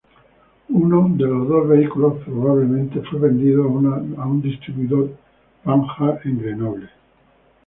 Uno de los dos vehículos, probablemente, fue vendido a un distribuidor Panhard en Grenoble.